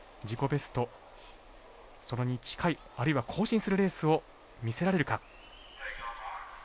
ベストそれに近いあるいは更新するレースを見せられるか。